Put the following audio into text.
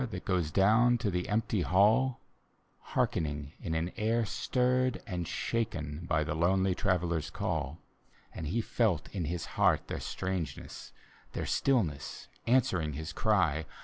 That goes down to the empty hall, Hearkening in an air stirred and shaken By the lonely Traveller's call: And he felt in his heart their strangeness, Their stillness answering his cry.